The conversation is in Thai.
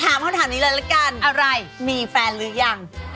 ถามให้ถามทีหลังกันอะไรมีแฟนหรือยัง